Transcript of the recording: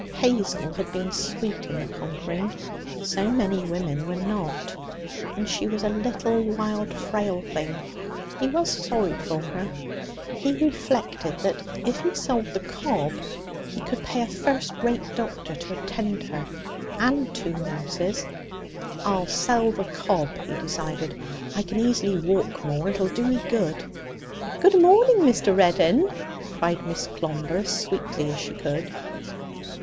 Hazel had been sweet in the conquering; so many women were not. And she was a little, wild, frail thing. He was sorry for her. He reflected that if he sold the cob he could pay a first rate doctor to attend her and two nurses. 'I'll sell the cob,' he decided. 'I can easily walk more. It'll do me good.' 'Good morning, Mr. Reddin!' cried Miss Clomber as sweetly as she could.